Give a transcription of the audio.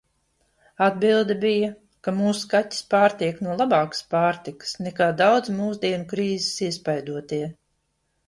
Atbilde bija, ka mūsu kaķis pārtiek no labākas pārtikas, nekā daudzi mūsdienu krīzes iespaidotie.